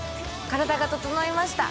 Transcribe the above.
体が整いました。